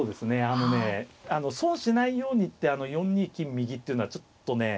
あのね損しないようにって４二金右っていうのはちょっとね